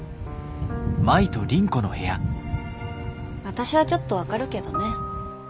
私はちょっと分かるけどね。